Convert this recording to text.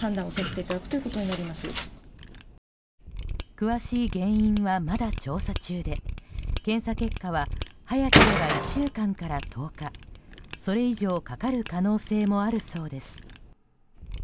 詳しい原因はまだ調査中で検査結果は早ければ１週間から１０日それ以上かかる可能性もあるそうです。